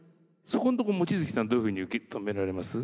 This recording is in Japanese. そこんとこ望月さんどういうふうに受け止められます？